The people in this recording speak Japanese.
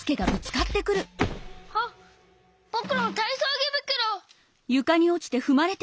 あっぼくのたいそうぎぶくろ！